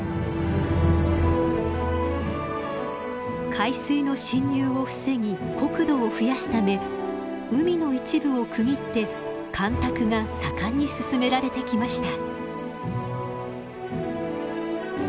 海水の侵入を防ぎ国土を増やすため海の一部を区切って干拓が盛んに進められてきました。